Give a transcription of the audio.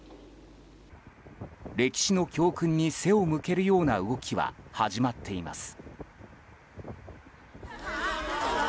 歴史の教訓に背を向けるような動きは、始まっています。